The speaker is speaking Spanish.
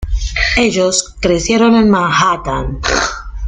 Ellos crecieron en Manhattan.